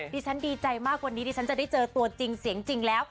ดีใจมากวันนี้ดิฉันจะได้เจอตัวจริงเสียงจริงแล้ว